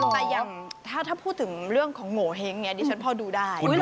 แต่อย่างถ้าพูดถึงเรื่องของโงเห้งดิฉันพอดูได้